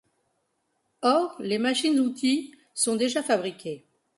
Or, les machines-outils sont déjà fabriquées.